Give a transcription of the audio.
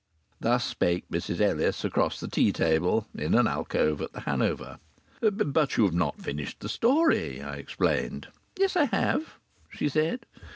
Thus spake Mrs Ellis across the tea table in an alcove at the Hanover. "But you've not finished the story!" I explained. "Yes, I have," she said.